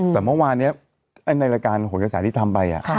แต่เมื่อวานนี้ในรายการโหลกระแสที่ทำไป